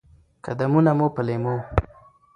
قدمونه مو په لېمو،